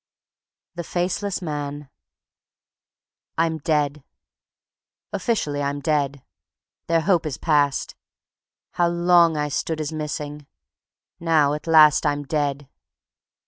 The Faceless Man I'm dead. Officially I'm dead. Their hope is past. How long I stood as missing! Now, at last I'm dead.